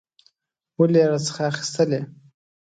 ولي یې راڅخه اخیستلې؟